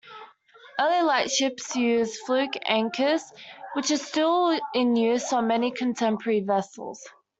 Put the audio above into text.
Early lightships used fluke anchors, which are still in use on many contemporary vessels.